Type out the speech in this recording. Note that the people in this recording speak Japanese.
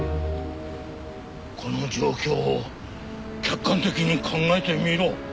この状況を客観的に考えてみろ。